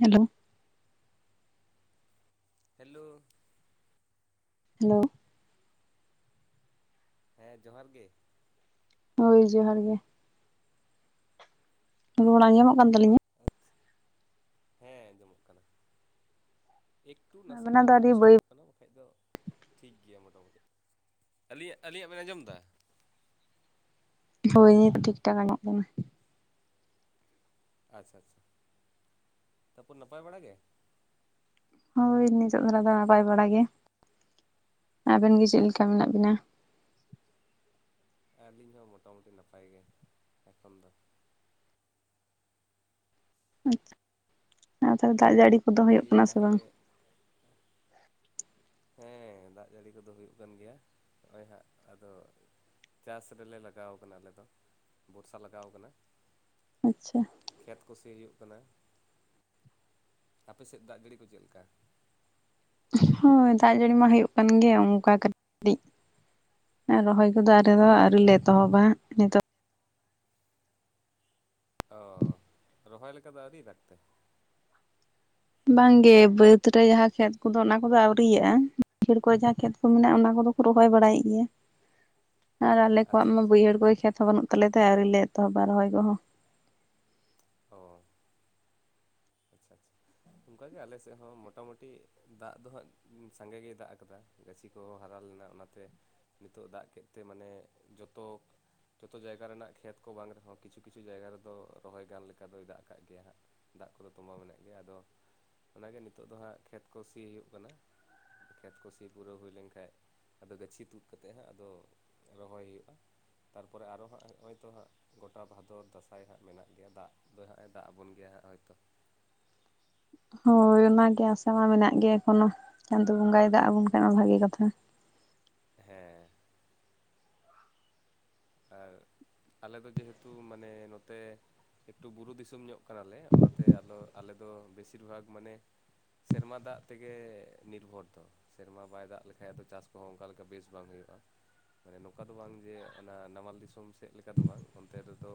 Hello. Hello. Hello. ᱦᱮᱸ ᱡᱚᱦᱟᱨ ᱜᱮ᱾ ᱦᱳᱭ ᱡᱚᱦᱟᱨ ᱜᱮ᱾ ᱨᱚᱲ ᱟᱸᱡᱚᱢᱚᱜ ᱠᱟᱱ ᱛᱟᱹᱞᱤᱧᱟ? [unintelligible] ᱦᱮᱸ ᱟᱸᱡᱚᱢᱚᱜ ᱠᱟᱱᱟ᱾ ᱮᱠᱴᱩ ᱱᱟᱥᱮ ᱱᱟᱜ ᱟᱵᱮᱱᱟᱜ ᱫᱚ ᱮᱠᱴᱩ ᱟᱹᱰᱤ ᱵᱟᱹᱭ ᱰᱤᱥᱴᱟᱵᱚᱜ ᱠᱟᱱᱟ ᱵᱟᱠᱷᱟᱡ ᱫᱚ ᱴᱷᱤᱠ ᱜᱮᱭᱟ ᱢᱚᱴᱟᱢᱩᱴᱤ, ᱟᱹᱞᱤᱧ ᱟᱹᱞᱤᱧᱟᱜ ᱵᱮᱱ ᱟᱸᱡᱚᱢ ᱫᱟ? ᱦᱳᱭ ᱱᱤᱛ ᱴᱷᱤᱠ ᱴᱷᱟᱠ ᱟᱸᱡᱚᱢᱚᱜ ᱠᱟᱱᱟ᱾ ᱟᱪᱪᱷᱟ ᱪᱷᱟ ᱛᱟᱨᱯᱚᱨᱮ ᱱᱟᱯᱟᱭ ᱵᱟᱲᱟ ᱜᱮ? ᱦᱳᱭ ᱱᱤᱛᱚᱜ ᱫᱷᱟᱨᱟ ᱫᱚ ᱱᱟᱯᱟᱭ ᱵᱟᱲᱟ ᱜᱮ, ᱟᱵᱮᱱ ᱜᱮ ᱪᱤᱜ ᱞᱤᱠᱟ ᱢᱤᱱᱟᱜ ᱵᱤᱱᱟ? ᱟᱹᱞᱤᱧ ᱦᱚᱸ ᱢᱚᱴᱟᱢᱩᱴᱤ ᱱᱟᱯᱟᱭ ᱜᱮ ᱮᱠᱷᱚᱱ ᱫᱚ᱾ ᱟᱪᱪᱷᱟ ᱟᱨ ᱛᱟᱦᱚᱞᱮ ᱫᱟᱜ ᱡᱟᱹᱲᱤ ᱠᱚᱫᱚ ᱦᱩᱭᱩᱜ ᱫᱤᱭᱮ ᱠᱟᱱᱟ ᱥᱮ ᱵᱟᱝ? ᱛᱟᱦᱚᱞᱮ ᱦᱮᱸ ᱫᱟᱜ ᱡᱟᱹᱲᱤ ᱠᱚᱫᱚ ᱦᱩᱭᱩᱜ ᱠᱟᱱ ᱜᱮᱭᱟ ᱱᱚᱜ-ᱚᱭ ᱦᱟᱸᱜ ᱟᱫᱚ ᱪᱟᱥ ᱨᱮᱞᱮ ᱞᱟᱜᱟᱣ ᱠᱟᱱᱟ ᱟᱞᱮ ᱫᱚ ᱵᱚᱨᱥᱟ ᱞᱟᱜᱟᱣ ᱠᱟᱱᱟ᱾ ᱟᱪᱪᱷᱟ᱾ ᱠᱷᱮᱛ ᱠᱚ ᱥᱤᱭ ᱦᱩᱭᱩᱜ ᱠᱟᱱᱟ, ᱟᱯᱮ ᱥᱮᱜ ᱫᱟᱜ ᱡᱟᱹᱲᱤ ᱠᱚ ᱪᱮᱜ ᱞᱮᱠᱟ? ᱦᱳᱭ ᱫᱟᱜ ᱡᱟᱹᱲᱤ ᱢᱟ ᱦᱩᱭᱩᱜ ᱠᱟᱱ ᱜᱮ ᱚᱱᱠᱟ ᱠᱟᱹᱴᱤᱡ ᱮᱸ ᱨᱚᱦᱚᱭ ᱱᱚᱛᱮᱫᱚ ᱟᱞᱮ ᱫᱚ ᱟᱹᱣᱨᱤ ᱞᱮ ᱮᱛᱚᱦᱚᱵᱟ ᱱᱤᱛᱚᱜ ᱚ ᱨᱚᱦᱚᱭ ᱞᱮᱠᱟ ᱫᱚ ᱟᱹᱣᱨᱤ ᱫᱟᱜᱽ ᱛᱮ? ᱵᱟᱝ ᱜᱮ ᱵᱟᱹᱛ ᱨᱮ ᱡᱟᱦᱟᱸ ᱠᱷᱮᱛ ᱠᱚᱫᱚ ᱚᱱᱟ ᱠᱚᱫᱚ ᱟᱹᱣᱨᱤᱭᱟᱜ-ᱟ ᱠᱷᱤᱲ ᱠᱚᱨᱮ ᱡᱟᱦᱟᱸ ᱠᱷᱮᱛ ᱠᱚ ᱢᱮᱱᱟᱜ-ᱟ ᱚᱱᱟ ᱠᱚᱫᱚ ᱠᱚ ᱨᱚᱦᱚᱭ ᱵᱟᱲᱟᱭᱮᱜ ᱜᱮᱭᱟ᱾ ᱟᱨ ᱟᱞᱮ ᱠᱚᱣᱟᱜ ᱟᱪᱪᱷᱟ ᱢᱟ ᱟᱪᱪᱷᱟ ᱵᱟᱹᱭᱦᱟᱹᱲ ᱠᱚᱨᱮ ᱠᱷᱮᱛ ᱦᱚᱸ ᱵᱟᱹᱱᱩᱜ ᱛᱟᱞᱮ ᱛᱮ ᱟᱹᱣᱨᱤ ᱞᱮ ᱮᱛᱚᱦᱚᱵᱟ ᱨᱚᱦᱚᱭ ᱠᱚᱦᱚᱸ᱾ ᱚᱻ᱾ ᱟᱪᱪᱷᱟ ᱪᱷᱟ ᱚᱱᱠᱟ ᱜᱮ ᱟᱞᱮ ᱥᱮᱜ ᱦᱚᱸ ᱢᱚᱴᱟᱢᱩᱴᱤ ᱫᱟᱜ ᱫᱚ ᱦᱟᱸᱜ ᱩᱸ ᱥᱟᱸᱜᱮ ᱜᱮᱭ ᱫᱟᱜ ᱟᱠᱟᱫᱟ ᱜᱟᱹᱪᱷᱤ ᱠᱚ ᱦᱟᱨᱟ ᱞᱮᱱᱟ ᱚᱱᱟᱛᱮ ᱱᱤᱛᱚᱜ ᱫᱟᱜ ᱠᱮᱫ ᱛᱮ ᱢᱟᱱᱮ ᱡᱚᱛᱚ ᱡᱚᱛᱚ ᱡᱟᱭᱜᱟ ᱨᱮᱱᱟᱜ ᱠᱷᱮᱛ ᱠᱚ ᱵᱟᱝ ᱨᱮᱦᱚᱸ ᱠᱤᱪᱷᱩ ᱠᱤᱪᱷᱩ ᱡᱟᱭᱜᱟ ᱨᱮᱫᱚ ᱨᱚᱦᱚᱭ ᱜᱟᱱ ᱞᱮᱠᱟ ᱫᱚᱭ ᱫᱟᱜ ᱟᱠᱟᱜ ᱜᱮᱭᱟ ᱦᱟᱸᱜ᱾ ᱫᱟᱜ ᱠᱚᱫᱚ ᱛᱚᱸᱵᱟᱣ ᱢᱮᱱᱟᱜ ᱜᱮᱭᱟ ᱟᱫᱚ ᱚᱱᱟ ᱜᱮ ᱱᱤᱛᱚᱜ ᱫᱚ ᱦᱟᱸᱜ ᱠᱷᱮᱛ ᱠᱚ ᱥᱤ ᱦᱩᱭᱩᱜ ᱠᱟᱱᱟ᱾ ᱠᱷᱮᱛ ᱠᱩ ᱥᱤ ᱯᱩᱨᱟᱹᱣ‌ ᱦᱩᱭ ᱞᱮᱱ ᱠᱷᱟᱡ ᱟᱫᱚ ᱜᱟᱹᱪᱷᱤ ᱛᱩᱫ ᱠᱟᱛᱮᱜ ᱦᱟᱸᱜ ᱟᱫᱚ ᱨᱚᱦᱚᱭ ᱦᱩᱭᱩᱜ-ᱟ ᱛᱟᱨᱯᱚᱨᱮ ᱟᱨᱚ ᱦᱟᱸᱜ ᱦᱚᱸᱜ-ᱚᱭ ᱛᱚ ᱦᱟᱸᱜ ᱜᱚᱴᱟ ᱵᱷᱟᱫᱚᱨ ᱫᱟᱸᱥᱟᱭ ᱦᱟᱸᱜ ᱢᱮᱱᱟᱜ ᱜᱮᱭᱟ ᱫᱟᱜ ᱫᱚ ᱦᱟᱸᱜ ᱮ ᱫᱟᱜ ᱟᱵᱚᱱ ᱜᱮᱭᱟ ᱦᱟᱸᱜ ᱦᱳᱭᱛᱚ᱾ ᱦᱳᱭ ᱚᱱᱟ ᱜᱮ ᱟᱥᱟ ᱢᱟ ᱢᱮᱱᱟᱜ ᱜᱮᱭᱟ ᱮᱠᱷᱚᱱᱚ ᱪᱟᱸᱫᱩ ᱵᱚᱸᱜᱟᱭ ᱫᱟᱜ ᱟᱵᱩᱱ ᱠᱷᱟᱡ ᱢᱟ ᱵᱷᱟᱜᱤ ᱠᱟᱛᱷᱟ᱾ ᱦᱮᱸ᱾ ᱟᱨ ᱟᱞᱮ ᱫᱚ ᱡᱮ ᱦᱮᱛᱩ ᱢᱟᱱᱮ ᱱᱚᱛᱮ ᱮᱠᱴᱩ ᱵᱩᱨᱩ ᱫᱤᱥᱚᱢ ᱧᱚᱜ ᱠᱟᱱᱟ ᱞᱮ ᱚᱱᱟᱛᱮ ᱟᱞᱚ ᱟᱞᱮ ᱫᱚ ᱵᱮᱥᱤᱨ ᱵᱷᱟᱜᱽ ᱢᱟᱱᱮ ᱥᱮᱨᱢᱟ ᱫᱟᱜ ᱛᱮᱜᱮ ᱱᱤᱨᱵᱷᱚᱨ ᱫᱚ᱾ ᱥᱮᱨᱢᱟ ᱵᱟᱭ ᱫᱟᱜ ᱞᱮᱠᱷᱟᱡ ᱫᱚ ᱪᱟᱥ ᱠᱚ ᱦᱚᱸ ᱚᱱᱠᱟ ᱞᱮᱠᱟ ᱵᱮᱥ ᱵᱟᱝ ᱦᱩᱭᱩᱜ-ᱟ ᱢᱟᱱᱮ ᱱᱚᱝᱠᱟ ᱫᱚ ᱵᱟᱝ ᱡᱮ ᱚᱱᱟ ᱱᱟᱢᱟᱞ ᱫᱤᱥᱚᱢ ᱥᱮᱜ ᱞᱮᱠᱟ ᱫᱚ ᱵᱟᱝ ᱚᱱᱛᱮ ᱨᱮᱫᱚ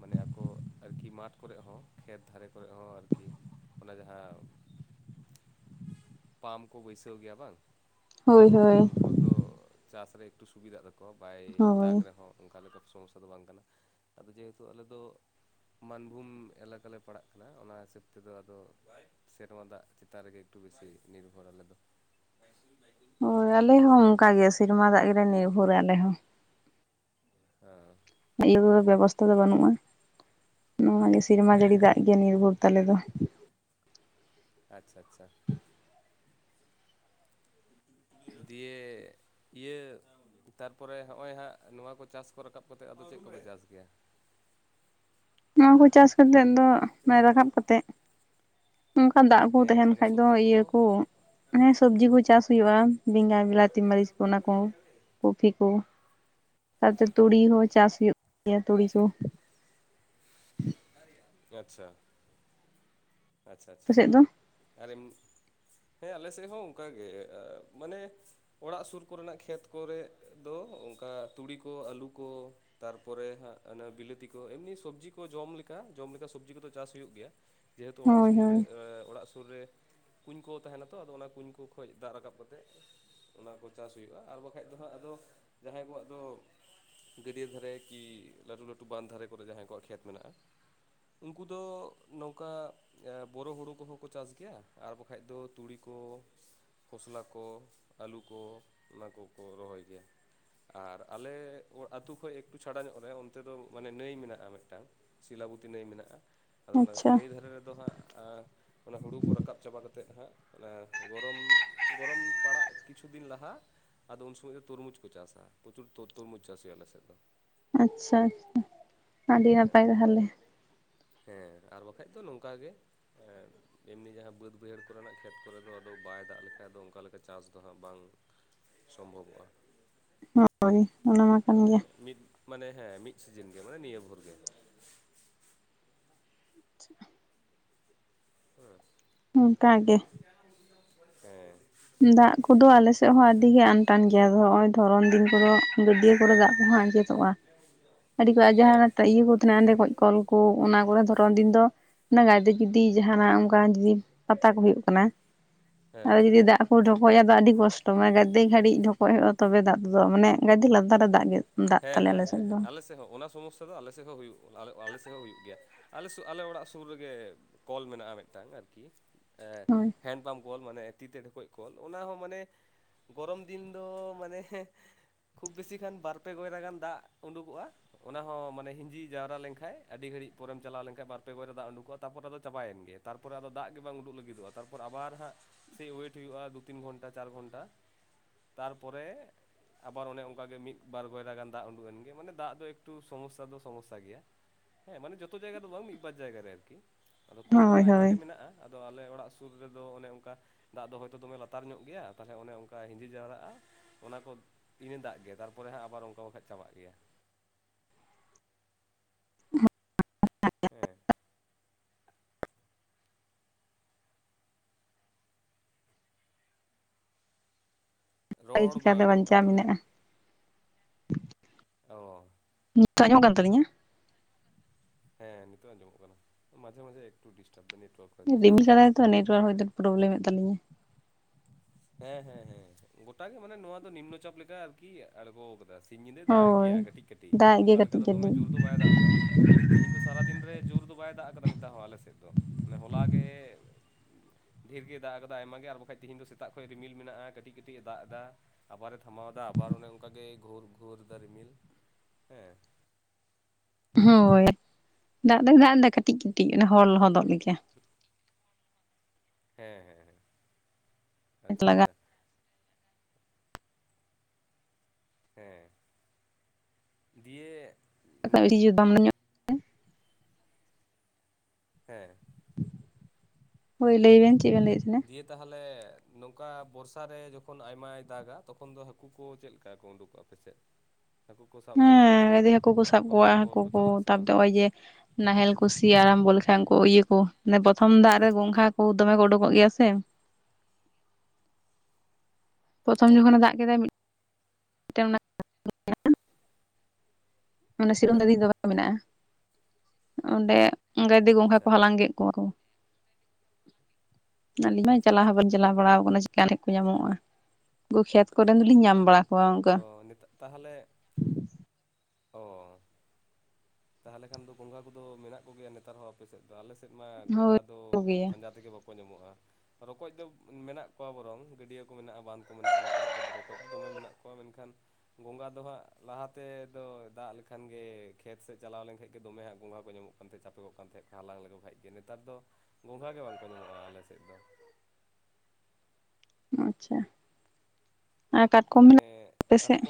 ᱢᱟᱱᱮ ᱟᱠᱚ ᱟᱨ ᱠᱤ ᱢᱟᱴᱷ ᱠᱚᱨᱮᱜ ᱦᱚᱸ ᱠᱷᱮᱛ ᱫᱷᱟᱨᱮ ᱠᱚᱨᱮ ᱦᱚᱸ ᱟᱨ ᱠᱤ ᱚᱱᱟ ᱡᱟᱦᱟᱸᱼᱼ ᱯᱟᱢ ᱠᱚ ᱵᱟᱹᱭᱥᱟᱹᱣ ᱜᱮᱭᱟ ᱵᱟᱝ ᱚᱱᱟ ᱦᱳᱭ ᱠᱷᱮᱛᱨᱮ ᱦᱳᱭ ᱫᱚ ᱩᱱᱠᱩ ᱣᱟᱜ ᱫᱚ ᱪᱟᱥ ᱨᱮ ᱮᱠᱴᱩ ᱥᱩᱵᱤᱫᱟᱜ ᱛᱟᱠᱼᱼ ᱠᱚᱣᱟ‌ ᱵᱟᱭ ᱦᱳᱭ ᱫᱟᱜᱽ ᱨᱮᱦᱚᱸ ᱚᱱᱠᱟ ᱞᱮᱠᱟ ᱥᱚᱢᱚᱥᱥᱟ ᱫᱚ ᱵᱟᱝ ᱠᱟᱱᱟ ᱟᱫᱚ ᱡᱮ‌ ᱦᱮᱛᱩ ᱟᱞᱮ ᱫᱚᱼᱼ ᱢᱟᱱᱵᱷᱩᱢ ᱮᱞᱟᱠᱟ ᱞᱮ ᱯᱟᱲᱟᱜ ᱠᱟᱱᱟ ᱚᱱᱟ ᱦᱤᱥᱟᱹᱵᱽ ᱛᱮᱫᱚ ᱟᱫᱚᱼᱼ ᱥᱮᱨᱢᱟ ᱫᱟᱜ ᱪᱮᱛᱟᱱ ᱨᱮᱜᱮ ᱮᱠᱴᱩ ᱵᱮᱥᱤ ᱱᱤᱨᱵᱷᱚᱨ ᱟᱞᱮ ᱫᱚ᱾ ᱦᱳᱭ ᱟᱞᱮ ᱦᱚᱸ ᱚᱱᱠᱟ ᱜᱮ ᱥᱮᱨᱢᱟ ᱫᱟᱜ ᱜᱮᱞᱮ ᱱᱤᱨᱵᱷᱚᱨᱟ ᱟᱞᱮ ᱦᱚᱸ᱾ ᱦᱮᱸ᱾ ᱤᱭᱟᱹ ᱠᱚᱫᱚ ᱵᱮᱵᱚᱥᱛᱷᱟ ᱫᱚ ᱵᱟᱹᱱᱩᱜᱼᱟ ᱱᱚᱣᱟ ᱜᱮ ᱥᱮᱨᱢᱟ ᱦᱮᱸ ᱡᱟᱹᱲᱤ ᱦᱮᱸ ᱫᱟᱜ ᱜᱮ᱾ ᱜᱮ ᱱᱤᱨᱵᱷᱚᱨ ᱛᱟᱞᱮ ᱫᱚ᱾ ᱟᱪᱪᱷᱟ ᱟᱪᱪᱷᱟ᱾ ᱫᱤᱭᱮ ᱤᱭᱟᱹᱼᱼ ᱛᱟᱨᱯᱚᱨᱮ ᱦᱚᱜ ᱚᱭ ᱦᱟᱸᱜ ᱱᱚᱣᱟ ᱠᱚ ᱪᱟᱥ ᱠᱚ ᱨᱟᱠᱟᱵ ᱠᱟᱛᱮ ᱟᱫᱚ ᱪᱮᱫ ᱠᱚᱯᱮ ᱪᱟᱥ ᱜᱮᱭᱟ? ᱱᱚᱣᱟ ᱠᱚ ᱪᱟᱥ ᱠᱟᱛᱮᱜ ᱫᱚ ᱨᱟᱠᱟᱵ ᱠᱟᱛᱮᱜ, ᱚᱱᱠᱟ ᱫᱟᱜ ᱠᱩ ᱦᱮᱸ ᱛᱟᱦᱮᱱ ᱢᱟᱱᱮ ᱠᱷᱟᱡ ᱫᱚ ᱥᱚᱵᱽᱡᱤ ᱠᱚ ᱤᱭᱟᱹ ᱠᱩ ᱥᱚᱵᱡᱤ ᱠᱩ ᱪᱟᱥ ᱦᱩᱭᱩᱜᱼᱟ ᱵᱮᱸᱜᱟᱲᱼᱼ ᱵᱤᱞᱟᱛᱤ ᱢᱟᱹᱨᱤᱪ ᱠᱩ ᱚᱱᱟ ᱠᱩ, ᱠᱚᱯᱷᱤ ᱠᱩ ᱛᱟᱯᱚᱨᱮ ᱛᱩᱲᱤ ᱦᱚᱸ ᱪᱟᱥ ᱦᱩᱭᱩᱜ ᱜᱮᱭᱟ ᱛᱩᱲᱤ ᱠᱩ, [unintelligible] ᱟᱪᱪᱷᱟ ᱟᱪᱪᱷᱟ ᱟᱯᱮ ᱟᱪᱪᱷᱟ ᱥᱮᱫ ᱫᱚ ᱟᱨᱮᱢᱼᱼ ᱦᱮᱸ ᱟᱞᱮ ᱥᱮᱫ ᱦᱚᱸ ᱚᱱᱠᱟᱜᱮ ᱢᱟᱱᱮ ᱚᱲᱟᱜ ᱥᱩᱨ ᱠᱚᱨᱮᱱᱟᱜ ᱠᱷᱮᱛ ᱠᱚᱨᱮᱼᱼ ᱫᱚ ᱚᱱᱠᱟ ᱛᱩᱲᱤ ᱠᱚ ᱟᱹᱞᱩ ᱠᱚᱼᱼ ᱛᱟᱨᱯᱚᱨᱮ ᱦᱟᱜ ᱵᱤᱞᱟᱹᱛᱤ ᱠᱚ ᱮᱢᱱᱤ ᱥᱚᱵᱽᱡᱤ ᱠᱚ ᱡᱚᱢᱼᱼ ᱠᱟ ᱡᱚᱢ ᱞᱮᱠᱟ ᱥᱚᱵᱽᱡᱤ ᱠᱚᱫᱚ ᱪᱟᱥ ᱦᱩᱭᱩᱜ ᱜᱮᱭᱟ ᱡᱮᱦᱮᱛᱩ ᱚᱲᱟᱜ ᱦᱳᱭ ᱥᱩᱸ ᱨᱮ᱾ ᱦᱳᱭ ᱥᱩᱨ ᱨᱮ ᱠᱩᱧ ᱠᱚ ᱛᱟᱦᱮᱱᱟ ᱛᱚ ᱟᱫᱚ ᱚᱱᱟ ᱠᱩᱧ ᱠᱚ ᱠᱷᱚᱡ ᱫᱟᱜ ᱨᱟᱠᱟᱵ ᱠᱟᱛᱮ᱾ ᱚᱱᱟ ᱠᱚ ᱪᱟᱥ ᱦᱩᱭᱩᱜᱼᱟ ᱟᱨ ᱵᱟᱠᱟᱡ ᱫᱚ ᱦᱟᱸᱜ ᱟᱫᱚ ᱡᱟᱦᱟᱸᱭ ᱠᱚᱣᱟᱜ ᱫᱚᱼᱼ ᱜᱟᱹᱰᱭᱟᱹ ᱫᱷᱟᱨᱮ ᱠᱤ ᱞᱟᱹᱴᱩ ᱞᱟᱹᱴᱩ ᱵᱟᱸᱫ ᱫᱷᱟᱨᱮ ᱠᱚᱨᱮ ᱡᱟᱦᱟᱸᱭ ᱠᱚᱣᱟᱜ ᱠᱷᱮᱛ ᱢᱮᱱᱟᱜᱼᱟ᱾ ᱩᱱᱠᱩ ᱫᱚ ᱱᱚᱝᱠᱟᱼᱼ ᱵᱳᱨᱳ ᱦᱩᱲᱩ ᱠᱚᱦᱚᱸ ᱠᱚ ᱪᱟᱥ ᱜᱮᱭᱟ ᱟᱨ ᱵᱟᱝᱠᱷᱟᱸᱡ ᱫᱚ ᱛᱩᱲᱤ ᱠᱚᱼᱼ ᱠᱷᱚᱥᱞᱟ ᱠᱚ ᱟᱹᱞᱩ ᱠᱚ ᱚᱱᱟ ᱠᱚᱠᱚ ᱨᱚᱦᱚᱭ ᱜᱮᱭᱟ᱾ ᱟᱨ ᱟᱞᱮ ᱟᱛᱩ ᱠᱷᱚᱡ ᱮᱠᱴᱩ ᱪᱷᱟᱲᱟ ᱧᱚᱜ ᱨᱮ ᱚᱱᱛᱮ ᱫᱚ ᱢᱟᱱᱮ ᱱᱟᱹᱭ ᱢᱮᱱᱟᱜᱼᱟ ᱢᱤᱫᱴᱟᱝ᱾ ᱥᱤᱞᱟᱵᱚᱛᱤ ᱱᱟᱹᱭ ᱢᱮᱱᱟᱜᱼᱟ ᱟᱫᱚ ᱚᱱᱟ ᱟᱪᱪᱷᱟ ᱱᱟᱹᱭ ᱫᱷᱟᱨᱮ ᱨᱮᱫᱚ ᱦᱟᱸᱜ ᱟ ᱚᱱᱟ ᱦᱩᱲᱩ ᱠᱚ ᱨᱟᱠᱟᱵ ᱪᱟᱵᱟ ᱠᱟᱛᱮ᱾ ᱠᱟᱛᱮᱫ ᱦᱟᱸᱜ ᱜᱚᱨᱚᱢ ᱜᱚᱨᱚᱢ ᱯᱟᱲᱟᱜ ᱠᱤᱪᱷᱩ ᱫᱤᱱ ᱞᱟᱦᱟ, ᱟᱫᱚ ᱩᱱ ᱥᱚᱢᱚᱭ ᱫᱚ ᱛᱩᱨᱢᱩᱡᱽ ᱠᱚ ᱪᱟᱥᱟ ᱯᱨᱚᱪᱩᱨ ᱛᱚᱨ ᱛᱚᱨᱢᱩᱡᱽ ᱪᱟᱥ ᱦᱩᱭᱩᱜᱼᱟ ᱟᱞᱮᱥᱮᱫ ᱫᱚ᱾ ᱟᱪᱪᱷᱟ ᱟᱹᱰᱤ ᱦᱮᱸ ᱱᱟᱯᱟᱭ ᱛᱟᱦᱚᱞᱮ᱾ ᱦᱮᱸ ᱟᱨ ᱵᱟᱠᱷᱟᱡ ᱫᱚ ᱱᱚᱝᱠᱟᱜᱮ, ᱮᱢᱱᱤ ᱡᱟᱦᱟᱸ ᱵᱟᱹᱫ ᱵᱟᱹᱭᱦᱟᱹᱲ ᱠᱚᱨᱮᱱᱟᱜ ᱠᱷᱮᱛ ᱠᱚᱨᱮ ᱫᱚ ᱟᱫᱚ ᱵᱟᱭ ᱫᱟᱜ ᱞᱮᱠᱷᱟᱡ ᱫᱚ ᱚᱱᱠᱟ ᱞᱮᱠᱟ ᱪᱟᱥ ᱫᱚ ᱦᱟᱸᱜ ᱵᱟᱝᱼᱼ ᱥᱚᱢᱵᱷᱚᱵᱚᱜᱼᱟ᱾ ᱦᱳᱭ ᱚᱱᱟ ᱢᱟ ᱠᱟᱱ ᱢᱟᱱᱮ ᱜᱮᱭᱟ ᱢᱤᱫ ᱢᱟᱱᱮ ᱦᱮᱸ ᱢᱤᱫ ᱥᱤᱡᱤᱱ ᱜᱮ ᱢᱟᱱᱮ ᱱᱤᱭᱟᱹ ᱵᱷᱳᱨ ᱜᱮ᱾ [unintelligible] ᱚᱱᱠᱟ ᱜᱮ ᱦᱮᱸ ᱫᱟᱜ ᱠᱚᱫᱚ ᱟᱞᱮᱥᱮᱫ ᱦᱚᱸ ᱟᱹᱰᱤ ᱜᱮ ᱟᱱᱴᱟᱱ ᱜᱮᱭᱟ ᱱᱚᱜ ᱚᱭ ᱫᱷᱚᱨᱚᱱ ᱫᱤᱱ ᱠᱚᱫᱚ ᱜᱟᱹᱰᱭᱟᱹ ᱠᱚᱨᱮ ᱫᱟᱜ ᱠᱚᱦᱟᱸᱜ ᱟᱸᱡᱮᱫᱚᱜᱼᱟ᱾ ᱟᱹᱰᱤ ᱠᱚ ᱡᱟᱦᱟᱸ ᱦᱮᱸ ᱤᱭᱟᱹ ᱠᱚ ᱛᱟᱦᱮᱱᱟ ᱚᱸᱰᱮ ᱠᱚᱡ ᱠᱚᱞ ᱠᱚ ᱚᱱᱟ ᱠᱚᱨᱮ ᱫᱷᱚᱨᱚᱱ ᱫᱤᱱ ᱫᱚᱼᱼ ᱚᱱᱟ ᱜᱟᱰᱤ ᱡᱩᱫᱤ ᱡᱟᱦᱟᱱᱟᱜ ᱚᱱᱠᱟᱱ ᱡᱩᱫᱤ ᱯᱟᱛᱟ ᱠᱚ ᱦᱩᱭᱩᱜ ᱠᱟᱱᱟ᱾ ᱦᱮᱸ ᱟᱫᱚ ᱦᱮᱸ ᱡᱩᱫᱤ ᱫᱟᱜ ᱠᱚ ᱰᱷᱚᱠᱚᱡ ᱟ ᱟᱹᱰᱤ ᱠᱚᱥᱴᱚ ᱢᱟᱱᱮ ᱜᱟᱫᱤ ᱜᱷᱟᱹᱲᱤᱡ ᱰᱷᱚᱠᱚᱡ ᱦᱩᱭᱩᱜᱼᱟ ᱛᱚᱵᱮ ᱫᱟᱜᱼᱼ ᱛᱩᱫᱩᱜ-ᱟ ᱢᱟᱱᱮ ᱜᱟᱫᱤ ᱞᱟᱫᱟᱨ ᱨᱮ ᱫᱟᱜ ᱜᱮ, ᱫᱟᱜ ᱦᱮᱸ ᱛᱟᱞᱮ ᱦᱮᱸ ᱟᱞᱮ ᱦᱮᱸ ᱥᱮᱫ ᱦᱮᱸ ᱫᱚ ᱟᱞᱮ ᱥᱮᱫ ᱦᱚᱸ ᱚᱱᱟ ᱥᱚᱢᱚᱥᱥᱟ ᱫᱚ ᱟᱞᱮ ᱥᱮᱫ ᱦᱚᱸ ᱦᱩᱭᱩᱜ ᱟᱞᱮ ᱥᱮᱡ ᱦᱚᱸ ᱦᱩᱭᱩᱜ ᱜᱮᱭᱟ᱾ ᱟᱞᱮ ᱥᱩ ᱟᱞᱮ ᱚᱲᱟᱜ ᱥᱩᱨ ᱨᱮᱜᱮ ᱠᱚᱞ ᱢᱮᱱᱟᱜᱼᱟ ᱢᱤᱫᱴᱟᱱ ᱟᱨᱠᱤ ᱮᱸ‌ ᱦᱳᱭ ᱦᱮᱱᱰᱯᱟᱢ ᱠᱚᱞ ᱢᱟᱱᱮ ᱛᱤ ᱛᱮ ᱴᱷᱚᱠᱚᱡ ᱠᱚᱞ ᱚᱱᱟ ᱦᱚᱸ ᱢᱟᱱᱮ ᱜᱚᱨᱚᱢ ᱫᱤᱱ ᱫᱚ ᱢᱟᱱᱮ ᱠᱷᱩᱵ ᱵᱮᱥᱤ ᱠᱷᱟᱱ ᱵᱟᱨ ᱯᱮ ᱠᱚᱭᱲᱟ ᱜᱟᱱ ᱫᱟᱜ ᱩᱰᱩᱠᱚᱜᱼᱟ᱾ ᱚᱱᱟ ᱦᱚᱸ ᱢᱟᱱᱮ ᱦᱤᱸᱡᱤ ᱡᱟᱣᱨᱟ ᱞᱮᱱᱠᱷᱟᱡ ᱟᱹᱰᱤ ᱜᱷᱟᱹᱲᱤᱡ ᱯᱚᱨᱮᱢ ᱪᱟᱞᱟᱣ ᱞᱮᱱᱠᱟᱱ ᱵᱟᱨ ᱯᱮ ᱵᱟᱨ ᱨᱮ ᱫᱟᱜ ᱩᱰᱩᱠᱚᱜᱼᱟ, ᱛᱟᱨᱯᱚᱨ ᱟᱫᱚ ᱪᱟᱵᱟᱭᱮᱱ ᱜᱮ᱾ ᱛᱟᱨᱯᱚᱨᱮ ᱟᱫᱚ ᱫᱟᱜ ᱜᱮ ᱵᱟᱝ ᱩᱰᱩᱠ ᱞᱟᱹᱜᱤᱫᱚᱜᱼᱟ ᱛᱟᱨᱯᱚᱨ ᱟᱵᱟᱨ ᱦᱟᱸᱜ ᱥᱮ ᱳᱭᱮᱴ ᱦᱩᱭᱩᱜᱼᱟ ᱫᱩ ᱛᱤᱱ ᱜᱷᱚᱱᱴᱟ ᱪᱟᱨ ᱜᱷᱚᱱᱴᱟ᱾ ᱛᱟᱨᱯᱚᱨᱮ ᱟᱵᱟᱨ ᱚᱱᱮ ᱚᱱᱠᱟ ᱜᱮ ᱢᱤᱫ ᱵᱟᱨ ᱜᱚᱭᱨᱟ ᱜᱟᱱ ᱫᱟᱜ ᱩᱰᱩᱠ ᱮᱱ ᱜᱮ ᱢᱟᱱᱮ ᱫᱟᱜ ᱫᱚ ᱮᱠᱴᱩ ᱥᱚᱢᱚᱥᱥᱟ ᱫᱚ ᱥᱚᱢᱚᱥᱥᱟ ᱜᱮᱭᱟ᱾ ᱦᱮᱸ ᱢᱟᱱᱮ ᱡᱚᱛᱚ ᱡᱟᱭᱜᱟ ᱫᱚ ᱵᱟᱝ ᱢᱤᱫ ᱵᱟᱨ ᱡᱟᱭᱜᱟ ᱨᱮ ᱟᱨᱠᱤ ᱟᱫᱚ ᱠᱚᱞ ᱫᱚ ᱦᱳᱭ ᱦᱟᱸᱜ ᱟᱭᱢᱟ ᱦᱳᱭ ᱜᱮ ᱢᱮᱱᱟᱜᱼᱟ᱾ ᱟᱫᱚ ᱟᱞᱮ ᱚᱲᱟᱜ ᱥᱩᱨ ᱨᱮᱫᱚ ᱚᱱᱮ ᱚᱝᱠᱟ ᱫᱟᱜ ᱫᱚ ᱦᱳᱭᱛᱳ ᱫᱚᱢᱮ ᱞᱟᱛᱟᱨ ᱧᱚᱜ ᱜᱮᱭᱟ ᱛᱟᱦᱞᱮ ᱚᱱᱮ ᱚᱱᱠᱟ ᱦᱤᱸᱡᱤ ᱡᱟᱣᱨᱟᱜᱼᱟ᱾ ᱚᱱᱟ ᱠᱚ ᱤᱱᱟᱹ ᱫᱟᱜ ᱜᱮᱭᱟ ᱛᱟᱨᱯᱚᱨᱮ ᱦᱟᱸᱜ ᱟᱵᱟᱨ ᱚᱝᱠᱟ ᱵᱟᱠᱷᱟ ᱪᱟᱵᱟᱜ ᱜᱮᱭᱟ᱾ [unintelligible] ᱦᱮᱸ᱾ ᱨᱚᱲ ᱵᱟᱝ ᱪᱤᱠᱟᱛᱮ ᱟᱸᱡᱚᱢᱚᱜ ᱠᱟᱱ ᱵᱟᱧᱪᱟᱣ ᱛᱟᱵᱤᱱᱟ᱾ ᱢᱮᱱᱟᱜᱼᱟ ᱚ ᱱᱤᱛᱚᱜ ᱟᱧᱡᱚᱢᱚᱜ ᱠᱟᱱ ᱛᱟᱹᱞᱤᱧᱟ? ᱦᱮᱸ ᱱᱤᱛᱚᱜ ᱟᱸᱡᱚᱢᱚᱜ ᱠᱟᱱᱟ ᱢᱟᱡᱷᱮ ᱢᱟᱡᱷᱮ ᱮᱠᱴᱩ ᱰᱤᱥᱴᱟᱵ ᱮᱫᱟ ᱱᱮᱴᱣᱟᱨᱠ᱾ ᱦᱚᱭᱛᱚ ᱨᱤᱢᱤ ᱥᱟᱲᱟᱭ ᱛᱚ ᱱᱮᱴᱳᱣᱟᱨᱠ ᱦᱳᱭᱛᱚ ᱯᱨᱚᱵᱽᱞᱮᱢᱮᱫ ᱛᱟᱞᱤᱧᱟ᱾ ᱦᱮᱸ ᱦᱮᱸ ᱦᱮᱸ ᱜᱚᱴᱟ ᱜᱮ ᱢᱟᱱᱮ ᱱᱚᱣᱟ ᱫᱚ ᱱᱤᱢ ᱱᱚᱪᱟᱯ ᱞᱮᱠᱟ ᱟᱨᱠᱤ ᱟᱲᱜᱳᱣ ᱟᱠᱟᱫᱟ ᱾ ᱥᱤᱧ ᱧᱤᱫᱟᱹ ᱫᱟᱜ ᱮᱜ ᱜᱮᱭᱟ ᱦᱳᱭ ᱠᱟᱹᱴᱤᱡ ᱠᱟᱹᱴᱤᱡ ᱫᱟᱜ ᱮᱜ ᱜᱮ ᱱᱚᱝᱠᱟ ᱞᱮᱠᱟ ᱠᱟᱹᱴᱤᱡ ᱫᱚ ᱫᱚᱢᱮ ᱠᱟᱹᱴᱤᱡ ᱡᱳᱨ ᱫᱚ ᱵᱟᱭ ᱫᱟᱜ ᱮᱫᱟ᱾ ᱛᱤᱦᱤᱧ ᱫᱚ ᱥᱟᱨᱟ ᱫᱤᱱ ᱨᱮ ᱡᱳᱨ ᱫᱚ ᱵᱟᱭ ᱫᱟᱜ ᱟᱠᱟᱫᱟ ᱢᱤᱫ ᱫᱷᱟᱣ ᱦᱚᱸ ᱟᱞᱮ ᱥᱮᱫ ᱫᱚ ᱢᱟᱱᱮ ᱦᱚᱞᱟ ᱜᱮ ᱰᱷᱮᱨ ᱜᱮᱭ ᱫᱟᱜ ᱟᱠᱟᱫᱟ ᱟᱭᱢᱟ ᱜᱮ ᱟᱨ ᱵᱟᱠᱟᱡ ᱛᱤᱦᱤᱧ ᱫᱚ ᱥᱮᱛᱟᱜ ᱠᱷᱚᱱ ᱨᱤᱢᱤᱞ ᱢᱮᱱᱟᱜᱼᱟ ᱠᱟᱹᱴᱤᱡ ᱠᱟᱹᱴᱤᱡ ᱮ ᱫᱟᱜ ᱮᱫᱟ᱾ ᱟᱵᱟᱨᱮ ᱛᱷᱟᱢᱟᱣ ᱮᱫᱟ ᱟᱵᱟᱨ ᱚᱱᱮ ᱚᱱᱠᱟᱜᱮ ᱜᱷᱳᱨ ᱜᱷᱳᱨ ᱫᱟ ᱨᱤᱢᱤᱞ ᱦᱮᱸ᱾ ᱦᱳᱸᱭ ᱫᱟᱜ ᱫᱚᱜ ᱫᱟᱜ ᱮᱫᱟ ᱠᱟᱹᱴᱤᱡ ᱠᱟᱹᱴᱤᱡ ᱚᱱᱟ ᱦᱚᱲ ᱞᱚᱦᱚᱫᱚᱜ ᱞᱮᱠᱟ᱾ [inaudible] ᱦᱮᱸ ᱟᱪᱪᱷᱟ ᱞᱟᱜᱟᱜ ᱟᱪᱪᱷᱟ᱾ ᱦᱮᱸ ᱫᱤᱭᱮᱜ ᱡᱩ ᱵᱟᱢ [unintelligible] ᱦᱮᱸ ᱦᱳᱭ ᱞᱟᱹᱭ ᱵᱮᱱ ᱪᱮᱫ ᱵᱮᱱ ᱞᱟᱹᱭᱮᱫ ᱛᱟᱦᱮᱫ? ᱭᱮ ᱛᱟᱦᱞᱮ ᱱᱚᱝᱠᱟ ᱵᱚᱨᱥᱟ ᱨᱮ ᱡᱚᱠᱷᱚᱱ ᱟᱭᱢᱟᱭ ᱫᱟᱜᱟ ᱛᱚᱠᱷᱚᱱ ᱫᱚ ᱦᱟᱹᱠᱩ ᱠᱚ ᱪᱮᱫ ᱞᱮᱠᱟ ᱠᱚ ᱩᱰᱩᱠᱚᱜᱼᱟ ᱟᱯᱮᱥᱮᱫ? [inaudible] ᱦᱩᱭᱩᱜ ᱜᱮᱭᱟ ᱥᱮ ᱦᱮᱸ ᱵᱟᱝ [unintelligible] ᱦᱟᱹᱠᱩ ᱠᱩ ᱥᱟᱵ ᱵᱟᱵᱟ ᱠᱚᱣᱟ ᱛᱟᱠᱚ ᱦᱟᱹᱠᱩ ᱠᱚ ᱪᱟᱞᱟᱜᱼᱟ ᱥᱮ ᱵᱟᱝ ᱛᱟᱯᱫᱟ ᱟᱹᱭ ᱡᱮ ᱱᱟᱦᱮᱞ ᱠᱚ ᱥᱤ ᱟ ᱟᱨᱟᱢᱵᱚ ᱞᱮᱠᱟᱱ ᱠᱚ ᱤᱭᱟᱹ ᱠᱚ ᱢᱟᱱᱮ ᱯᱨᱚᱛᱷᱚᱢ ᱫᱟᱜ ᱨᱮ ᱜᱚᱝᱜᱷᱟ ᱠᱚ ᱫᱚᱢᱮ ᱠᱚ ᱩᱰᱩᱜᱚᱜ ᱜᱮᱭᱟ ᱥᱮ᱾ ᱯᱨᱚᱛᱷᱚᱢ ᱦᱮᱸ ᱡᱚᱠᱷᱚᱱᱮ ᱦᱮᱸ ᱫᱟᱜ ᱠᱮᱫᱟᱭ [unintelligible] ᱚᱱᱟ ᱥᱤᱨᱚᱢ ᱫᱟᱹ ᱫᱤ ᱦᱮᱸ ᱫᱚ ᱫᱚᱢᱮ ᱢᱮᱱᱟᱜᱼᱟ᱾ ᱚᱸᱰᱮ ᱜᱟᱹᱰᱤ ᱜᱚᱝᱜᱷᱟ ᱠᱚ ᱟᱪᱪᱷᱟ ᱦᱟᱞᱟᱝ ᱜᱮᱫ ᱠᱚᱣᱟ ᱠᱚ᱾ ᱟᱹᱞᱤᱧ ᱢᱟ ᱟᱪᱪᱷᱟ ᱪᱟᱞᱟᱣ ᱦᱚᱸ ᱟᱪᱪᱷᱟ ᱵᱟᱹᱞᱤᱧ ᱪᱟᱞᱟᱣ ᱵᱟᱲᱟᱣ ᱠᱟᱱᱟ᱾ ᱚᱠᱟ ᱴᱷᱮᱸᱜ ᱠᱚ ᱧᱟᱢᱚᱜᱼᱟ ᱩᱠᱩ ᱠᱷᱮᱛ ᱠᱚᱨᱮᱱ ᱫᱚᱞᱤᱧ ᱧᱟᱢ ᱵᱟᱲᱟ᱾ ᱠᱚᱣᱟ ᱚᱱᱠᱟ ᱚ ᱱᱤᱛᱚᱜ ᱛᱟᱦᱞᱮ ᱚ᱾ ᱛᱟᱦᱞᱮ ᱠᱷᱟᱱ ᱫᱚ ᱜᱚᱸᱜᱷᱟ ᱠᱚᱫᱚ ᱢᱮᱱᱟᱜ ᱠᱚᱜᱮᱭᱟ ᱱᱮᱛᱟᱨ ᱦᱚᱸ ᱟᱯᱮ ᱥᱮᱫ ᱫᱚ ᱟᱞᱮ ᱥᱮᱫ ᱢᱟ ᱜᱚᱸᱜᱷᱟ ᱦᱳᱭ ᱫᱚ ᱠᱚᱜᱮᱭᱟ ᱯᱟᱸᱡᱟ ᱛᱮᱜᱮ ᱵᱟᱠᱚ ᱠᱚ ᱧᱟᱢᱚᱜᱼᱟ᱾ ᱨᱚᱠᱚᱡ ᱫᱚ ᱢᱮᱱᱟᱜ ᱠᱚᱣᱟ ᱵᱚᱨᱚᱝ ᱜᱟᱹᱰᱭᱟᱹ ᱠᱚ ᱢᱮᱱᱟᱜᱼᱟ ᱵᱟᱸᱫᱷ ᱠᱚ ᱢᱮᱱᱟᱜᱼᱟ ᱚᱱᱟ ᱠᱚᱨᱮᱫ ᱫᱚ ᱨᱚᱠᱚᱡ ᱫᱚ ᱫᱚᱢᱮ ᱢᱮᱱᱟᱜ ᱠᱚᱣᱟ ᱢᱮᱱᱠᱷᱟᱱ ᱜᱚᱸᱜᱟ ᱫᱚ ᱦᱟᱸᱜ ᱞᱟᱦᱟ ᱛᱮ ᱫᱚ ᱫᱟᱜ ᱞᱮᱠᱷᱟᱱ ᱜᱮᱭ ᱠᱷᱮᱛ ᱥᱮᱫ ᱪᱟᱞᱟᱣ ᱞᱮᱱᱠᱷᱟᱡ ᱜᱮ ᱫᱚᱢᱮ ᱦᱟᱸᱜ ᱜᱚᱸᱜᱷᱟ ᱠᱚ ᱧᱟᱢᱚᱜ ᱠᱟᱱ ᱛᱟᱦᱮᱸᱫ ᱪᱟᱯᱮ ᱠᱚᱜ ᱠᱟᱱ ᱛᱟᱦᱮᱸᱫ ᱠᱚ ᱦᱟᱞᱟᱝ ᱞᱮᱠᱚ ᱠᱷᱟᱡ ᱜᱮ, ᱱᱮᱛᱟᱨ ᱫᱚ ᱜᱚᱸᱜᱷᱟ ᱜᱮ ᱵᱟᱝ ᱠᱚ ᱧᱟᱢᱚᱜᱼᱟ ᱟᱞᱮ ᱥᱮᱫ ᱫᱚ᱾ ᱟᱪᱪᱷᱟ ᱟᱨ ᱠᱟᱴᱠᱚᱢ ᱢᱮᱱᱟᱜ ᱟᱯᱮ ᱥᱮᱜ?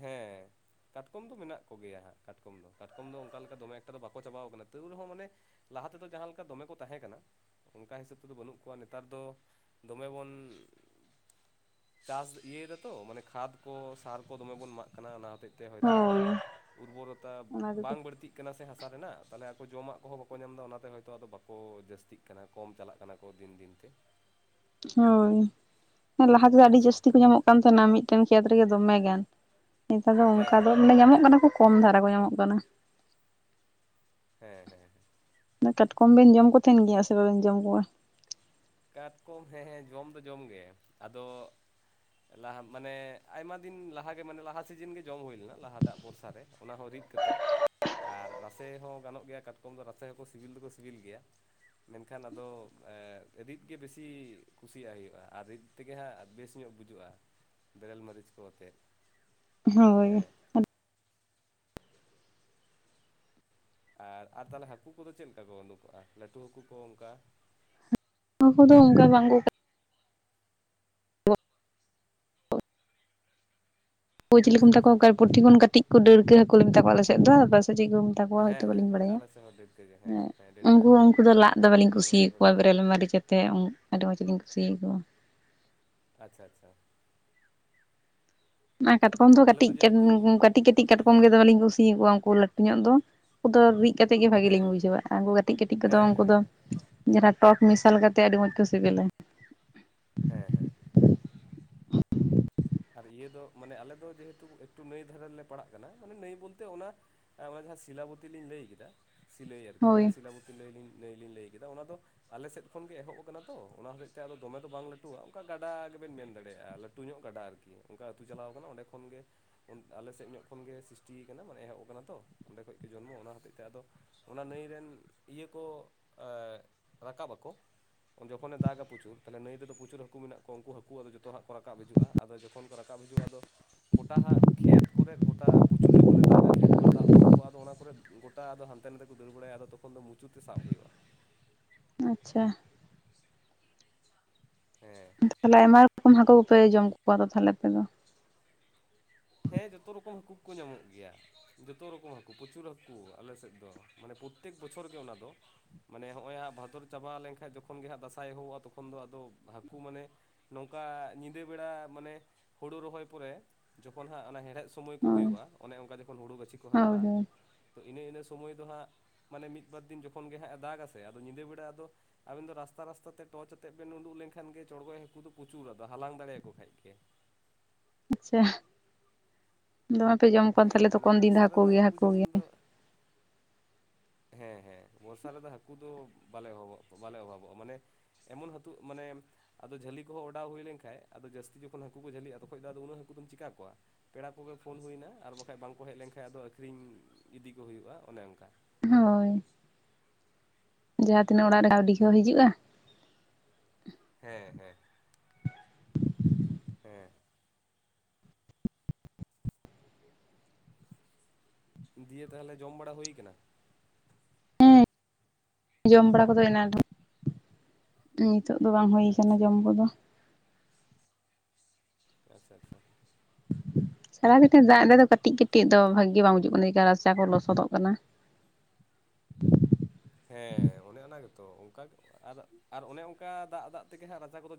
ᱦᱮᱸᱻ᱾ ᱠᱟᱴᱠᱚᱢ ᱫᱚ ᱢᱮᱱᱟᱜ ᱠᱚ ᱜᱮᱭᱟ ᱦᱟᱸᱜ ᱠᱟᱴᱠᱚᱢ ᱫᱚ, ᱠᱟᱴᱠᱚᱢ ᱫᱚ ᱚᱝᱠᱟ ᱞᱮᱠᱟ ᱫᱚᱢᱮ ᱮᱠᱴᱟ ᱫᱚ ᱵᱟᱠᱚ ᱪᱟᱵᱟᱣ ᱠᱟᱱᱟ᱾ ᱛᱟᱹᱣ ᱨᱮᱦᱚᱸ ᱢᱟᱱᱮ ᱞᱟᱦᱟ ᱛᱮᱫᱚ ᱡᱟᱦᱟᱸ ᱞᱮᱠᱟ ᱫᱚᱢᱮ ᱠᱚ ᱛᱟᱦᱮᱸ ᱠᱟᱱᱟ᱾ ᱚᱝᱠᱟ ᱦᱤᱥᱟᱹᱵ ᱛᱮᱫᱚ ᱵᱟᱹᱱᱩᱜ ᱠᱚᱣᱟ, ᱱᱮᱛᱟᱨ ᱫᱚ ᱫᱚᱢᱮ ᱵᱚᱱ ᱪᱟᱥ ᱤᱭᱟᱹᱭᱮᱫᱟ ᱛᱚ ᱢᱟᱱᱮ ᱠᱷᱟᱫᱽ ᱠᱚ ᱥᱟᱨ ᱠᱚ ᱫᱚᱢᱮ ᱵᱚᱱ ᱮᱢᱟᱜ ᱠᱟᱱᱟ ᱚᱱᱟ ᱦᱚᱛᱮᱡ ᱛᱮ ᱦᱚᱭᱛᱚ ᱦᱳᱭ ᱩᱨᱵᱚᱨᱚᱛᱟ ᱚᱱᱟ ᱠᱚᱜᱮ᱾ ᱵᱟᱝ ᱵᱟᱹᱲᱛᱤᱜ ᱠᱟᱱᱟ ᱥᱮ ᱦᱟᱥᱟ ᱨᱮᱱᱟᱜ ᱛᱟᱦᱞᱮ ᱟᱠᱚ ᱡᱚᱢᱟᱜ ᱠᱚᱦᱚᱸ ᱵᱟᱠᱚ ᱧᱟᱢ ᱮᱫᱟ ᱚᱱᱟᱛᱮ ᱦᱚᱭᱛᱚ ᱟᱫᱚ ᱵᱟᱠᱚ ᱡᱟᱹᱥᱛᱤᱜ ᱠᱟᱱᱟ᱾ ᱠᱚᱢ ᱪᱟᱞᱟᱜ ᱠᱟᱱᱟ ᱠᱚ ᱫᱤᱱ ᱫᱤᱱ ᱛᱮ᱾ ᱦᱳᱸᱭ ᱞᱟᱦᱟ ᱛᱮᱫᱚ ᱦᱮᱸ ᱟᱹᱰᱤ ᱥᱮ ᱡᱟᱹᱥᱛᱤ ᱠᱚ ᱧᱟᱢᱚᱜ ᱠᱟᱱ ᱛᱟᱦᱮᱱᱟ ᱢᱤᱫᱴᱮᱱ ᱠᱷᱮᱛ ᱨᱮᱜᱮ ᱫᱚᱢᱮ ᱜᱟᱱ, ᱱᱮᱛᱟᱨ ᱫᱚ ᱦᱮᱸ ᱚᱱᱠᱟ ᱫᱚ ᱦᱮᱸ ᱢᱟᱱᱮ ᱧᱟᱢᱚᱜ ᱠᱟᱱᱟ ᱠᱚ ᱠᱚᱢ ᱫᱷᱟᱨᱟ ᱠᱚ ᱧᱟᱢᱚᱜ ᱠᱟᱱᱟ᱾ ᱦᱮᱸ ᱦᱮᱸ᱾ ᱠᱟᱴᱠᱚᱢ ᱵᱮᱱ ᱡᱚᱢ ᱠᱚ ᱛᱟᱦᱮᱱ ᱜᱮᱭᱟ ᱥᱮ ᱵᱟᱵᱮᱱ ᱡᱚᱢ ᱠᱚᱣᱟ? ᱠᱟᱴᱠᱚᱢ ᱦᱮᱸ ᱦᱮᱸ ᱡᱚᱢ ᱫᱚ ᱡᱚᱢ ᱜᱮ ᱟᱫᱚ ᱞᱟᱦᱟ ᱢᱟᱱᱮ ᱟᱭᱢᱟ ᱫᱤᱱ ᱞᱟᱦᱟ ᱜᱮ ᱢᱟᱱᱮ ᱞᱟᱦᱟ ᱥᱤᱡᱤᱱ ᱜᱮ ᱡᱚᱢ ᱦᱩᱭ ᱞᱮᱱᱟ, ᱞᱟᱦᱟᱴᱟᱜ ᱵᱚᱨᱥᱟ ᱨᱮ ᱚᱱᱟ ᱦᱚᱸ ᱨᱤᱫ ᱠᱟᱛᱮᱜ ᱟᱨ ᱨᱟᱥᱮ ᱦᱚᱸ ᱜᱟᱱᱚᱜ ᱜᱮᱭᱟ, ᱠᱟᱴᱠᱚᱢ ᱫᱚ ᱨᱟᱥᱮ ᱦᱚᱸᱠᱚ ᱥᱤᱵᱤᱞ ᱫᱚᱠᱚ ᱥᱤᱵᱤᱞ ᱜᱮᱭᱟ᱾ ᱢᱮᱱᱠᱷᱟᱱ ᱟᱫᱚ ᱮᱸ ᱨᱤᱫ ᱜᱮ ᱵᱮᱥᱤ ᱠᱩᱥᱤᱭᱟᱜ ᱦᱩᱭᱩᱜ-ᱟ ᱟᱨ ᱨᱤᱫ ᱛᱮᱜᱮ ᱦᱟᱸᱜ ᱵᱮᱥ ᱧᱚᱜ ᱵᱩᱡᱚᱜ-ᱟ᱾ ᱵᱮᱨᱮᱞ ᱢᱟᱹᱨᱤᱪ ᱠᱚ ᱟᱛᱮᱫ᱾ ᱦᱳᱭ᱾ ᱦᱮᱸ ᱟᱨ, ᱟᱨ ᱛᱟᱦᱞᱮ ᱦᱟᱹᱠᱩ ᱠᱚᱫᱚ ᱪᱮᱫ ᱞᱮᱠᱟ ᱠᱚ ᱳᱸᱰᱳᱠᱟᱜ-ᱟ ᱞᱟᱹᱴᱩ ᱦᱟᱹᱠᱩ ᱠᱚ ᱚᱝᱠᱟ? ᱦᱟᱹᱠᱩ ᱫᱚ ᱚᱱᱠᱟ ᱵᱟᱝ ᱠᱚ ᱠᱚ ᱪᱤᱞᱤ ᱠᱚ ᱟᱪᱪᱷᱟ ᱢᱮᱛᱟ ᱟᱪᱪᱷᱟ ᱠᱚᱣᱟ ᱚᱠᱟ ᱯᱩᱴᱷᱤ ᱠᱷᱚᱱ ᱠᱟᱹᱴᱤᱡ ᱠᱚ ᱰᱟᱹᱲᱠᱟᱹ ᱦᱟᱹᱠᱩ ᱞᱮ ᱢᱮᱛᱟ ᱠᱚᱣᱟ ᱟᱞᱮ ᱥᱮᱜ ᱫᱚ᱾ ᱟᱯᱮ ᱥᱮᱜ ᱪᱮᱫ ᱠᱚ ᱢᱮᱛᱟ ᱠᱚᱣᱟ ᱦᱮᱸ ᱦᱚᱭᱛᱚ ᱦᱮᱸ ᱵᱟᱹᱞᱤᱧ ᱦᱮᱸ ᱵᱟᱲᱟᱭᱟ, ᱟᱞᱮ ᱥᱮᱫ ᱦᱚᱸ ᱰᱟᱹᱲᱠᱟᱹ ᱜᱮ ᱦᱮᱸ ᱦᱮᱸ ᱰᱟᱹᱲᱠᱟᱹ ᱩᱱᱠᱩ ᱦᱟᱹᱠᱩ ᱩᱱᱠᱩ ᱞᱩᱞᱤ ᱫᱚ ᱞᱟᱫ ᱦᱟᱹᱠᱩ ᱟᱵᱟᱨ ᱫᱚᱢᱮᱞᱤᱧ ᱚᱱᱟ ᱠᱚᱦᱚᱸ ᱠᱩᱥᱤᱭᱟᱠᱚᱣᱟ ᱠᱟᱹᱴᱤᱡ ᱵᱮᱨᱮᱞ ᱠᱚ ᱢᱟᱨᱤᱪ ᱛᱮ ᱩᱱ ᱟᱹᱰᱤ ᱢᱚᱡᱽ ᱤᱧ ᱠᱩᱥᱤᱭ ᱟᱠᱚᱣᱟ᱾ ᱟᱪᱪᱷᱟ ᱟᱪᱪᱷᱟ᱾ ᱚᱱᱟ ᱠᱟᱴᱠᱚᱢ ᱫᱚ ᱟᱞᱮ ᱠᱟᱹᱴᱤᱡ ᱠᱟᱱ ᱡᱮᱦᱮᱛᱩ ᱠᱟᱹᱴᱤᱡ ᱠᱟᱹᱴᱤᱡ ᱠᱟᱴᱠᱚᱢ ᱜᱮ ᱦᱮᱸ ᱫᱚᱢᱮᱞᱤᱧ ᱠᱩᱥᱤᱭᱟᱠᱚᱣᱟ ᱩᱱᱠᱩ ᱞᱟᱹᱴᱩ ᱧᱚᱜ ᱫᱚ ᱩᱱᱠᱩ ᱫᱚ ᱨᱤᱜ ᱠᱟᱛᱮ ᱜᱮ ᱵᱷᱟᱜᱤ ᱞᱤᱧ ᱦᱮᱸ ᱵᱩᱡᱷᱟᱹᱣᱟ, ᱟᱨ ᱩᱱᱠᱩ ᱠᱟᱹᱴᱤᱡ ᱠᱟᱹᱴᱤᱡ ᱠᱚᱫᱚ ᱦᱮᱸ ᱩᱱᱠᱩ ᱦᱮᱸ ᱫᱚ ᱦᱮᱸ ᱡᱟᱦᱟᱸᱱᱟᱜ ᱴᱚᱠ ᱢᱮᱥᱟᱞ ᱠᱟᱛᱮᱫ ᱟᱹᱰᱤ ᱢᱚᱸᱡᱽ ᱠᱚ ᱥᱤᱵᱤᱞᱟ᱾ ᱦᱮᱸ ᱦᱮᱸ ᱦᱮᱸ᱾ ᱟᱨ ᱤᱭᱟᱹ ᱫᱚ ᱢᱟᱱᱮ ᱟᱞᱮ ᱫᱚ ᱡᱮᱦᱮᱛᱩ ᱮᱠᱴᱩ ᱱᱟᱹᱭ ᱫᱷᱟᱨᱮ ᱨᱮᱞᱮ ᱯᱟᱲᱟᱜ ᱠᱟᱱᱟ, ᱢᱟᱱᱮ ᱱᱟᱹᱭ ᱵᱳᱞᱛᱮ ᱚᱱᱟ ᱮᱸ ᱚᱱᱟ ᱡᱟᱦᱟᱸ ᱥᱤᱞᱟᱵᱚᱛᱤ ᱞᱤᱧ ᱞᱟᱹᱭ ᱠᱮᱫᱟ ᱥᱤᱞᱟᱹᱭ ᱟᱨᱠᱤ ᱡᱟᱦᱟᱸ ᱦᱳᱭ ᱥᱤᱞᱟᱵᱚᱛᱤ ᱞᱟᱹᱭ ᱱᱟᱹᱭ ᱞᱤᱧ ᱞᱟᱹᱭ ᱠᱮᱫᱟ ᱚᱱᱟ ᱫᱚ ᱟᱞᱮ ᱥᱮᱫ ᱠᱷᱚᱱ ᱜᱮ ᱮᱦᱚᱵ ᱠᱟᱱᱟ ᱛᱚ, ᱚᱱᱟ ᱦᱚᱛᱮᱡ ᱛᱮ ᱫᱚᱢᱮ ᱫᱚ ᱵᱟᱝ ᱞᱟᱹᱴᱩᱣᱟ ᱚᱱᱠᱟ ᱜᱟᱰᱟ ᱜᱮᱵᱮᱱ ᱢᱮᱱ ᱫᱟᱲᱮᱭᱟᱜ-ᱟ ᱞᱟᱹᱴᱩ ᱧᱚᱜ ᱜᱟᱰᱟ ᱟᱨᱠᱤ᱾ ᱠᱤ ᱚᱱᱠᱟ ᱟᱹᱛᱩ ᱪᱟᱞᱟᱣ ᱠᱟᱱᱟ ᱚᱸᱰᱮ ᱠᱷᱚᱱ ᱜᱮ ᱚᱱ ᱟᱞᱮ ᱥᱮᱫ ᱧᱚᱜ ᱠᱷᱚᱱᱜᱮ ᱥᱤᱥᱴᱤᱭ ᱠᱟᱱᱟ ᱢᱟᱱᱮ ᱮᱦᱚᱵ ᱠᱟᱱᱟ ᱛᱚ ᱚᱸᱰᱮ ᱠᱷᱚᱡ ᱜᱮ ᱡᱚᱱᱢᱚ, ᱚᱱᱟ ᱦᱚᱛᱮᱡ ᱛᱮ ᱟᱫᱚ ᱚᱱᱟ ᱱᱟᱹᱭ ᱨᱮᱱ ᱤᱭᱟᱹ ᱠᱚ ᱮ ᱨᱟᱠᱟᱵ ᱟᱠᱚ᱾ ᱡᱚᱠᱷᱚᱱ ᱮ ᱫᱟᱜᱟ ᱯᱚᱪᱩᱨ ᱛᱟᱦᱞᱮ ᱱᱟᱹᱭ ᱨᱮᱫᱚ ᱯᱚᱪᱩᱨ ᱦᱟᱹᱠᱩ ᱢᱮᱱᱟᱜ ᱠᱚᱣᱟ, ᱩᱱᱠᱩ ᱦᱟᱹᱠᱩ ᱟᱫᱚ ᱡᱚᱛᱚ ᱦᱟᱸᱜ ᱠᱚ ᱨᱟᱠᱟᱵ ᱦᱤᱡᱩᱜ-ᱟ᱾ ᱟᱫᱚ ᱡᱚᱠᱷᱚᱱ ᱠᱚ ᱨᱟᱠᱟᱵ ᱦᱤᱡᱩᱜ-ᱟ ᱟᱫᱚ ᱜᱚᱴᱟ ᱦᱟᱸᱜ ᱠᱷᱮᱛ ᱠᱚᱨᱮᱫ ᱜᱚᱴᱟ ᱯᱚᱪᱩᱨ ᱡᱚᱠᱷᱚᱱ ᱮ ᱫᱟᱜᱟ ᱠᱷᱮᱛ ᱠᱚᱨᱮ ᱫᱟᱜ ᱛᱚᱸᱵᱟ ᱠᱚᱜ-ᱟ ᱟᱫᱚ ᱚᱱᱟ ᱠᱚᱨᱮᱫ ᱜᱚᱴᱟ ᱟᱫᱚ ᱦᱟᱱᱛᱮ ᱱᱟᱛᱮ ᱠᱚ ᱫᱟᱹᱲ ᱵᱟᱲᱟᱭᱟ ᱟᱫᱚ ᱛᱚᱠᱷᱚᱱ ᱫᱚ ᱢᱩᱪᱩ ᱛᱮ ᱥᱟᱵ ᱦᱳᱭᱳᱜ-ᱟ᱾ ᱟᱸᱪᱪᱷᱟ᱾ ᱦᱮᱸ᱾ ᱛᱟᱦᱞᱮ ᱟᱭᱢᱟ ᱨᱚᱠᱚᱢ ᱦᱟᱠᱳ ᱠᱚᱯᱮ ᱡᱚᱢ ᱠᱚᱣᱟ ᱛᱚ ᱛᱟᱦᱞᱮ ᱟᱯᱮ ᱫᱚ? ᱦᱮᱸ ᱡᱚᱛᱚ ᱨᱚᱠᱚᱢ ᱦᱟᱹᱠᱩ ᱠᱚ ᱧᱟᱢᱚᱜ ᱜᱮᱭᱟ᱾ ᱡᱚᱛᱚ ᱨᱚᱠᱚᱢ ᱦᱟᱹᱠᱩ ᱯᱚᱪᱩᱨ ᱦᱟᱹᱠᱩ ᱟᱞᱮ ᱥᱮᱫ ᱫᱚ᱾ ᱢᱟᱱᱮ ᱯᱚᱛᱛᱮᱠ ᱵᱚᱪᱷᱚᱨ ᱜᱮ ᱚᱱᱟ ᱫᱚ᱾ ᱢᱟᱱᱮ ᱦᱚᱸᱜ-ᱚᱭ ᱦᱟᱸᱜ ᱵᱷᱟᱫᱚᱨ ᱪᱟᱵᱟ ᱞᱮᱱᱠᱟᱷᱡ ᱡᱚᱠᱷᱚᱱ ᱜᱮ ᱦᱟᱸᱜ ᱫᱟᱥᱟᱭ ᱮᱦᱚᱵᱚᱜ-ᱟ ᱛᱚᱠᱷᱚᱱ ᱫᱚ ᱟᱫᱚ ᱦᱟᱹᱠᱩ ᱢᱟᱱᱮ ᱱᱚᱝᱠᱟ ᱧᱤᱫᱟᱹ ᱵᱮᱲᱟ ᱢᱟᱱᱮ ᱦᱩᱲᱩ ᱨᱚᱦᱚᱭ ᱯᱚᱨᱮ ᱡᱚᱠᱷᱚᱱ ᱦᱟᱸᱜ ᱚᱱᱮ ᱦᱮᱲᱦᱮᱫ ᱥᱚᱢᱚᱭ ᱠᱚ ᱦᱳᱭ ᱦᱩᱭᱩᱜ-ᱟ, ᱚᱱᱮ ᱚᱝᱠᱟ ᱡᱚᱠᱷᱚᱱ ᱦᱩᱲᱩ ᱜᱟᱹᱪᱷᱤ ᱠᱚ ᱦᱳᱭ ᱦᱟᱨᱟᱜ-ᱟ᱾ ᱦᱳᱭ ᱛᱚ ᱤᱱᱟᱹ ᱤᱱᱟᱹ ᱥᱩᱢᱟᱭ ᱫᱚ ᱦᱟᱸᱜ ᱢᱟᱱᱮ ᱢᱤᱫ ᱵᱟᱨ ᱫᱤᱱ ᱡᱚᱠᱷᱚᱱ ᱜᱮ ᱦᱟᱸᱜ ᱮ ᱫᱟᱜᱟ ᱥᱮ ᱟᱫᱚ ᱧᱤᱫᱟᱹ ᱵᱮᱲᱟ ᱟᱫᱚ ᱟᱵᱮᱱ ᱫᱚ ᱨᱟᱥᱛᱟ ᱨᱟᱥᱛᱟ ᱛᱮ ᱴᱚᱪ ᱟᱛᱮᱫ ᱵᱮᱱ ᱩᱰᱩᱜ ᱞᱮᱱᱠᱷᱟᱱ ᱜᱮ ᱪᱚᱸᱲᱜᱚᱡ ᱦᱟᱹᱠᱩ ᱫᱚ ᱯᱚᱪᱩᱨ ᱟᱫᱚ ᱦᱟᱞᱟᱝ ᱫᱟᱲᱮᱭᱟᱠᱚ ᱠᱷᱟᱡ ᱜᱮ᱾ ᱟᱪᱪᱷᱟ᱾ ᱫᱚᱢᱮ ᱯᱮ ᱡᱚᱢ ᱠᱚᱣᱟ ᱦᱮᱸ ᱛᱟᱦᱚᱞᱮ ᱢᱟᱱᱮ ᱛᱚᱠᱷᱚᱱ ᱫᱤᱱ ᱫᱚ ᱵᱚᱨᱥᱟ ᱨᱮᱫᱚ ᱜᱮ ᱦᱟᱹᱠᱩ ᱡᱚᱢ ᱜᱮ ᱫᱚ ᱦᱮᱸ ᱦᱮᱸ ᱵᱚᱨᱥᱟ ᱨᱮᱫᱚ ᱦᱟᱹᱠᱩ ᱫᱚ ᱵᱟᱞᱮ ᱚᱵᱷᱵᱚᱜ ᱵᱟᱞᱮ ᱚᱵᱷᱵᱚᱜ-ᱟ ᱢᱟᱱᱮ᱾ ᱮᱢᱚᱱ ᱦᱟᱹᱛᱩ ᱢᱟᱱᱮ᱾ ᱟᱫᱚ ᱡᱷᱟᱹᱞᱤ ᱠᱚᱦᱚᱸ ᱚᱰᱟᱣ ᱦᱩᱭ ᱞᱮᱱᱠᱷᱟᱡ ᱟᱫᱚ ᱡᱟᱹᱥᱛᱤ ᱡᱚᱠᱷᱚᱱ ᱦᱟᱹᱠᱩ ᱠᱚ ᱡᱷᱟᱹᱞᱤᱜ-ᱟ ᱛᱚᱠᱷᱚᱡ ᱫᱚ ᱟᱫᱚ ᱩᱱᱟᱹᱜ ᱦᱟᱹᱠᱩ ᱫᱚᱢ ᱪᱮᱠᱟ ᱠᱚᱣᱟ? ᱯᱮᱲᱟ ᱠᱚᱜᱮ ᱯᱷᱳᱱ ᱦᱩᱭᱱᱟ ᱟᱨ ᱵᱟᱠᱷᱟᱡ ᱵᱟᱝᱠᱚ ᱦᱮᱡ ᱞᱮᱱᱠᱷᱟᱱ ᱟᱫᱚ ᱟᱹᱠᱷᱨᱤᱧ ᱤᱫᱤ ᱠᱚ ᱦᱩᱭᱩᱜ-ᱟ ᱚᱱᱮ ᱚᱝᱠᱟ᱾ ᱦᱳᱭ᱾ ᱡᱟᱦᱟᱸ ᱛᱤᱱᱟᱹᱜ ᱚᱲᱟᱜ ᱨᱮ ᱠᱟᱹᱣᱰᱤ ᱠᱚ ᱦᱤᱡᱩᱜ-ᱟ᱾ ᱦᱮᱸ ᱦᱮᱸ᱾ ᱦᱮᱸ᱾ ᱫᱤᱭᱮ ᱛᱟᱦᱞᱮ ᱡᱚᱢ ᱵᱟᱲᱟ ᱦᱩᱭ ᱠᱟᱱᱟ? ᱦᱮᱸ ᱡᱚᱢ ᱵᱟᱲᱟ ᱠᱚᱫᱚ ᱮᱱᱟ ᱨᱮ᱾ ᱱᱤᱛᱳᱜ ᱫᱚ ᱵᱟᱝ ᱦᱩᱭ ᱠᱟᱱᱟ ᱟᱪᱪᱷᱟ ᱡᱚᱢ ᱠᱚᱫᱚ᱾ ᱟᱪᱪᱷᱟ ᱟᱪᱪᱷᱟ᱾ ᱥᱟᱨᱟᱫᱤᱱ ᱫᱟᱜ ᱮᱫᱟ ᱫᱚ ᱠᱟᱹᱴᱤᱡ ᱠᱟᱹᱴᱤᱡ ᱫᱚ ᱵᱷᱟᱜᱤ ᱵᱟᱝ ᱵᱩᱡᱩᱜ ᱠᱟᱱᱟ, ᱨᱟᱪᱟ ᱠᱚ ᱞᱚᱥᱚᱫᱚᱜ ᱠᱟᱱᱟ᱾ ᱦᱮᱸ ᱚᱱᱮ ᱚᱱᱟ ᱜᱮᱛᱚ ᱚᱝᱠᱟ ᱜᱮ, ᱟᱨ ᱚᱱᱮ ᱚᱝᱠᱟ ᱫᱟᱜ ᱫᱟᱜ ᱛᱮᱜᱮ ᱦᱟᱸᱜ ᱨᱟᱪᱟ ᱠᱚᱫᱚ ᱡᱟ